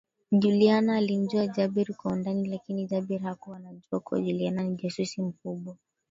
Juliana alimjua Jabir kwa undani lakini Jabir hakuwa anajua kuwa Juliana ni jasusi mkubwa